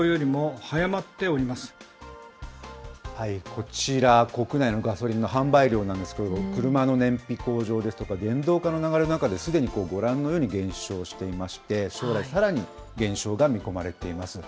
こちら、国内のガソリンの販売量なんですけれども、車の燃費向上ですとか、電動化の流れの中で、すでにご覧のように減少していまして、将来、さらに減少が見込まれています。